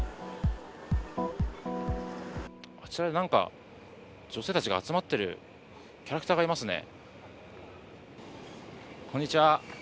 あちらで女性たちが集まっているキャラクターがいますよね。